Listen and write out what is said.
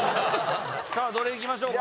さぁどれ行きましょうかね。